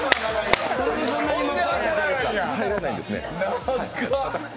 入らないんですね。